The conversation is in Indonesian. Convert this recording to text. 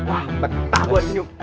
wah betah buat ini om